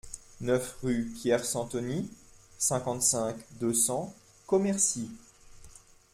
neuf rue Pierre Santoni, cinquante-cinq, deux cents, Commercy